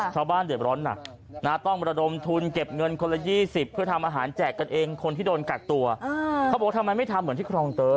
ชาวบ้านเดียวกร้อน